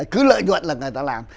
cứ lợi nhuận là người ta làm